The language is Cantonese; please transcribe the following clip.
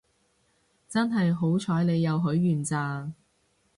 真係好彩你有許願咋